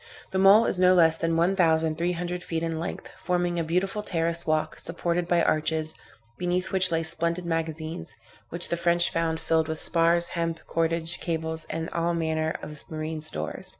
The mole is no less than one thousand three hundred feet in length, forming a beautiful terrace walk, supported by arches, beneath which lay splendid magazines, which the French found filled with spars, hemp, cordage, cables, and all manner of marine stores.